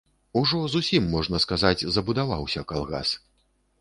Ужо зусім, можна сказаць, забудаваўся калгас.